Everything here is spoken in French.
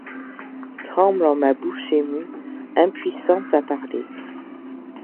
Tremble en ma bouche émue, impuissante à parler